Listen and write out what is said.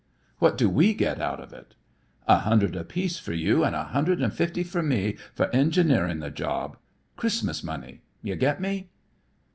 "What do we get out of it?" "A hundred apiece fer you an' a hundred an' fifty fer me fer engineerin' the job. Christmas money! You get me?"